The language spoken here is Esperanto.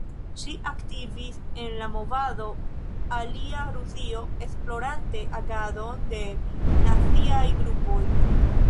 Ŝi aktivis en la movado "Alia Rusio" esplorante agadon de naziaj grupoj.